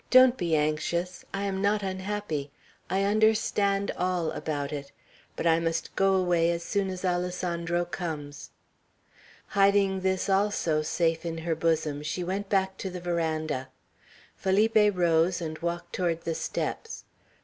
Don't be anxious. I am not unhappy. I understand all about it. But I must go away as soon as Alessandro comes." Hiding this also safe in her bosom, she went back to the veranda. Felipe rose, and walked toward the steps.